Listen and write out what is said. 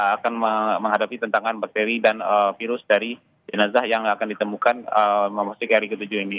akan menghadapi tentangan bakteri dan virus dari jenazah yang akan ditemukan memasuki hari ke tujuh ini